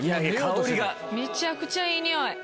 めちゃくちゃいい匂い。